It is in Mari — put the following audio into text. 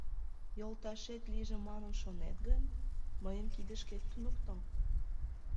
Йолташет лийже манын шонет гын, мыйым кидышкет туныкто!